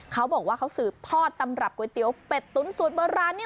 เขาบอกว่าเขาสืบทอดตำรับก๋วยเตี๋ยวเป็ดตุ๋นสูตรโบราณนี้